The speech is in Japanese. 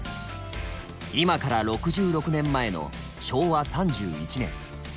今から６６年前の昭和３１年。